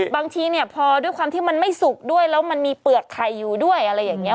บางทีเนี่ยพอด้วยความที่มันไม่สุกด้วยแล้วมันมีเปลือกไข่อยู่ด้วยอะไรอย่างนี้